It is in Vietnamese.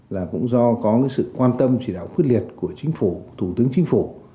là cũng do có cái sự quan tâm chỉ đạo quyết liệt của chính phủ thủ tướng chính phủ